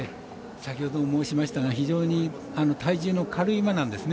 先ほども申しましたが非常に体重の軽い馬なんですね。